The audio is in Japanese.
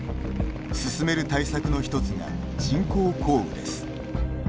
進める対策のひとつが人工降雨です。